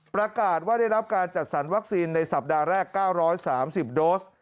ประกาศว่าได้รับการจัดสรรวัคซีนในสัปดาห์แรก๙๓๐โดส